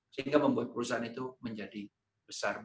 sehingga membuat perusahaan itu menjadi besar